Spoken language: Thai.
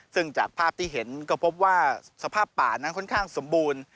ซึ่งจากภาพที่เห็นก็พบว่าสภาพป่านั้นค่อนข้างสมบูรณ์